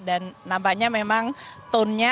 dan nampaknya memang tonenya